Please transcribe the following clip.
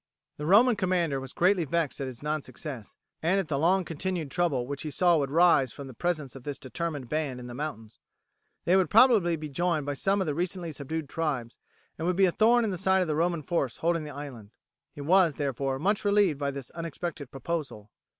The Roman commander was greatly vexed at his non success, and at the long continued trouble which he saw would arise from the presence of this determined band in the mountains. They would probably be joined by some of the recently subdued tribes, and would be a thorn in the side of the Roman force holding the island. He was, therefore, much relieved by this unexpected proposal.